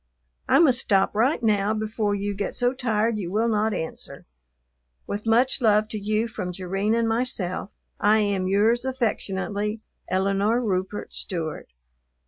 I must stop right now before you get so tired you will not answer. With much love to you from Jerrine and myself, I am Yours affectionately, ELINORE RUPERT STEWART.